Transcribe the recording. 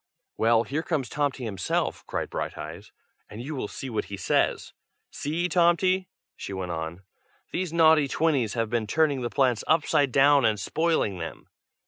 "Well, here comes Tomty himself!" cried Brighteyes, "and you will see what he says. See, Tomty!" she went on. "These naughty twinnies have been turning the plants upside down, and spoiling them!"